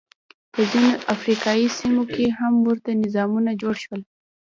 په ځینو افریقايي سیمو کې هم ورته نظامونه جوړ شول.